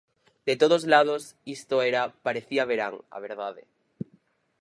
De todos lados, isto era, parecía verán, a verdade.